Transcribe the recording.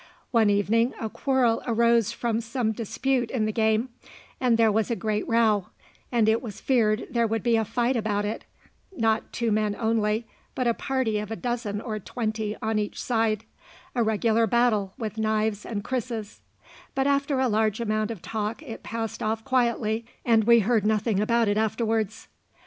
One evening a quarrel arose from some dispute in the game, and there was a great row, and it was feared there would be a fight about it not two men only, but a party of a dozen or twenty on each side, a regular battle with knives and krisses; but after a large amount of talk it passed off quietly, and we heard nothing about it afterwards.